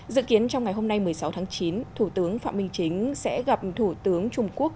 dự kiến trong ngày hôm nay một mươi sáu tháng chín thủ tướng phạm minh chính sẽ gặp thủ tướng trung quốc